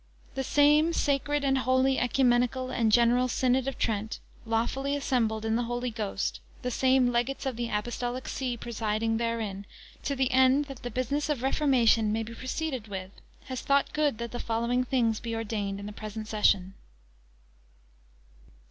The same sacred and holy, ecumenical and general Synod of Trent, lawfully assembled in the Holy Ghost, the same Legates of the Apostolic See presiding therein, to the end that the business of reformation may be proceeded with, has thought good that the following things be ordained in the present Session.